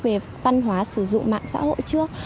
về văn hóa sử dụng mạng xã hội trước